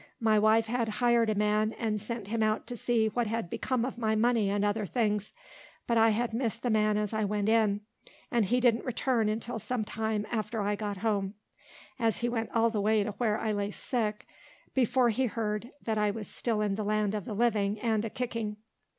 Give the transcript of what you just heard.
My wife had hired a man, and sent him out to see what had become of my money and other things; but I had missed the man as I went in, and he didn't return until some time after I got home, as he went all the way to where I lay sick, before he heard that I was still in the land of the living and a kicking.